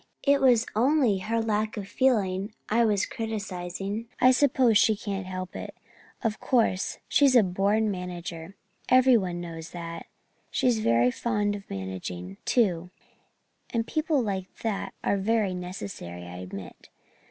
"It was only her lack of feeling I was criticizing. I suppose she can't help it. Of course, she's a born manager everyone knows that. She's very fond of managing, too and people like that are very necessary I admit.